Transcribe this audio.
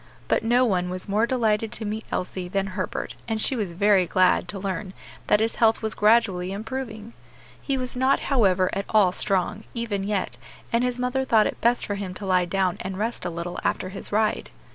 But no one was more delighted to meet Elsie than Herbert, and she was very glad to learn that his health was gradually improving. He was not, however, at all strong, even yet, and his mother thought it best for him to lie down and rest a little after his ride.